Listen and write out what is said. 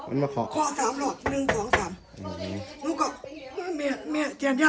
อันดับสุดท้ายก็คืออันดับสุดท้าย